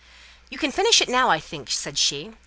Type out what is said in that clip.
"You can finish it now, I think," said she.